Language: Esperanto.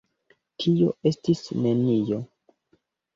Tio estis nenio!